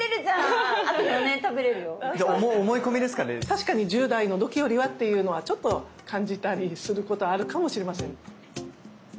確かに１０代の時よりはっていうのはちょっと感じたりすることはあるかもしれません。